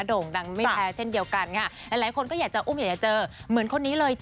โด่งดังไม่แพ้เช่นเดียวกันค่ะหลายคนก็อยากจะอุ้มอยากจะเจอเหมือนคนนี้เลย